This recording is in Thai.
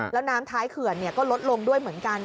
แล้วน้ำท้ายเขื่อนก็ลดลงด้วยเหมือนกัน